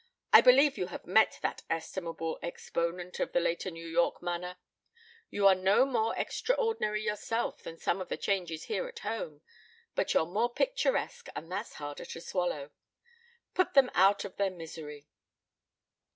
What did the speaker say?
I believe you have met that estimable exponent of the later New York manner. You are no more extraordinary yourself than some of the changes here at home, but you're more picturesque, and that's harder to swallow. Put them out of their misery."